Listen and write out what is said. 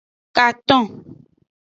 Katon.